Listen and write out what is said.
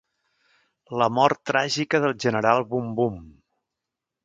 La mort tràgica del general Bumbum.